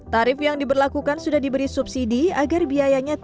tarif yang diberlakukan sudah diberi subsidi agar biayanya